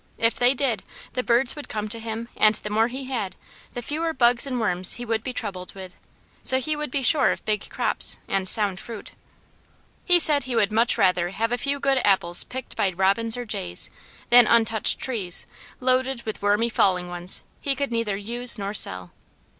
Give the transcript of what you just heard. If they did, the birds would come to him, and the more he had, the fewer bugs and worms he would be troubled with, so he would be sure of big crops, and sound fruit. He said he would much rather have a few good apples picked by robins or jays, than untouched trees, loaded with wormy falling ones he could neither use nor sell.